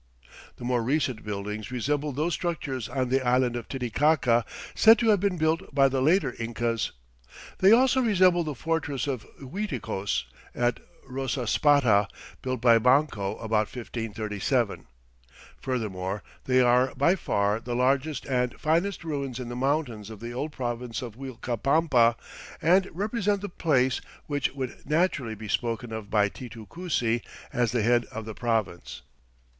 The more recent buildings resemble those structures on the island of Titicaca said to have been built by the later Incas. They also resemble the fortress of Uiticos, at Rosaspata, built by Manco about 1537. Furthermore, they are by far the largest and finest ruins in the mountains of the old province of Uilcapampa and represent the place which would naturally be spoken of by Titu Cusi as the "head of the province."